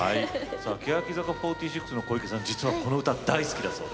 櫻坂４６の小池さんは実は、この歌、大好きだそうで。